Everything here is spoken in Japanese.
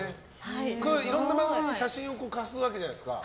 いろんな番組で写真を貸すわけじゃないですか。